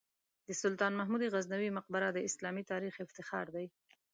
د سلطان محمود غزنوي مقبره د اسلامي تاریخ افتخار دی.